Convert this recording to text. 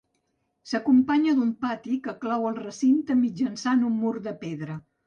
S'acompanya d'un pati que clou el recinte mitjançant un mur de pedra.